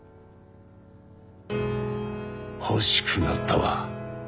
欲しくなったわ。